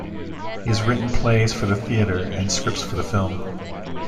He has written plays for the theatre and scripts for film.